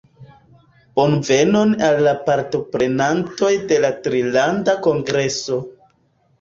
Bonvenon al la partoprenantoj de la Trilanda Kongreso